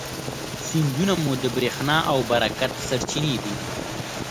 سیندونه مو د برېښنا او برکت سرچینې دي.